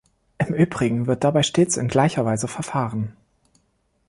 Im übrigen wird dabei stets in gleicher Weise verfahren.